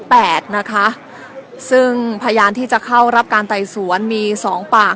แปดนะคะซึ่งพยานที่จะเข้ารับการไต่สวนมีสองปาก